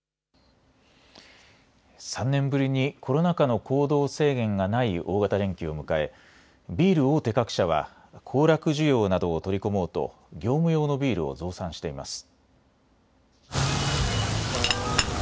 ３年ぶりにコロナ禍の行動制限がない大型連休を迎えビール大手各社は行楽需要などを取り込もうと業務用のビールを増産しています。